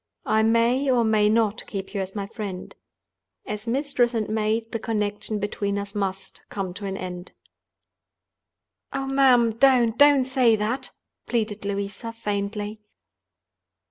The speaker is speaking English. I may or may not keep you as my friend. As mistress and maid the connection between us must come to an end." "Oh, ma'am, don't, don't say that!" pleaded Louisa, faintly.